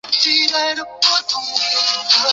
中央工业安全部队是印度一个分支。